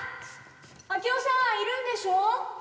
明夫さんいるんでしょ？